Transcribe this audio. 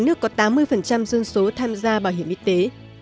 nước có tám mươi dân số tham gia bảo hiểm y tế